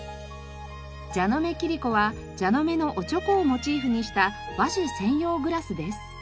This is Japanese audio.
蛇ノ目切子は蛇ノ目のおちょこをモチーフにした和酒専用グラスです。